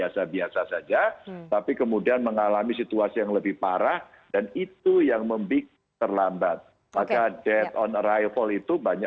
selamat sore mbak rifana